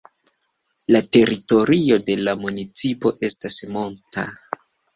La teritorio de la municipo estas monta.